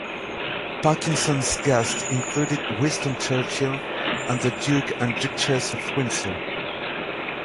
Parkinson's guests included Winston Churchill and the Duke and Duchess of Windsor.